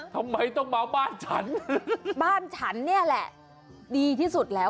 ทำไมต้องมาบ้านฉันบ้านฉันเนี่ยแหละดีที่สุดแล้ว